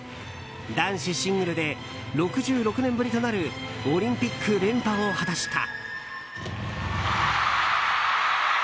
男子シングルで６６年ぶりとなるオリンピック連覇を果たした。